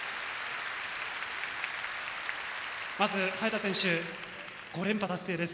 まず早田選手、５連覇達成です。